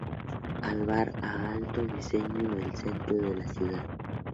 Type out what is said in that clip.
Alvar Aalto diseño el centro de la ciudad.